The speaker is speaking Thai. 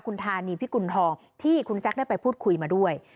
คุณธานีพิกุณฑองที่คุณแซคได้ไปพูดคุยมาด้วย